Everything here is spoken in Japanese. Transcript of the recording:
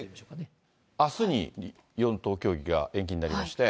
あすに４党協議が延期になりまして。